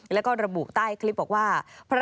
แล้วก็ระบุใต้คลิปบอกว่า